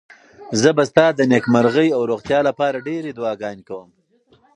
زه به ستا د نېکمرغۍ او روغتیا لپاره ډېرې دعاګانې کوم.